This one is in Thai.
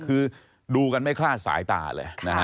คือดูกันไม่คลาดสายตาเลยนะฮะ